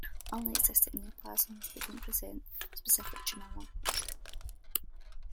Unlike cystic neoplasms, they don't present specific tumor markers.